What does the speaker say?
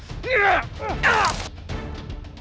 aku akan menang